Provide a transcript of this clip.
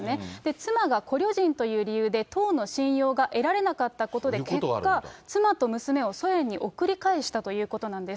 妻がコリョ人という理由で党の信用が得られなかったことで結果、妻と娘をソ連に送り返したということなんです。